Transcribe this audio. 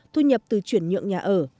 thu nhập từ chuyển nhượng nhà ở